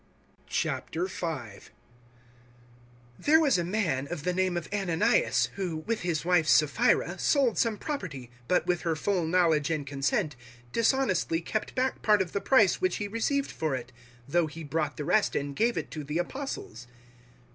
005:001 There was a man of the name of Ananias who, with his wife Sapphira, sold some property but, 005:002 with her full knowledge and consent, dishonestly kept back part of the price which he received for it, though he brought the rest and gave it to the Apostles.